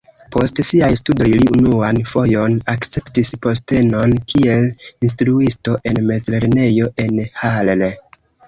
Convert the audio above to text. Post siaj studoj li unuan fojon akceptis postenon kiel instruisto en mezlernejo en Halle.